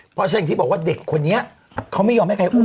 เพราะฉะนั้นอย่างที่บอกว่าเด็กคนนี้เขาไม่ยอมให้ใครอุ้ม